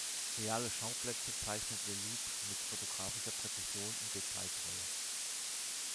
Reale Schauplätze zeichnet Leloup mit fotografischer Präzision und Detailtreue.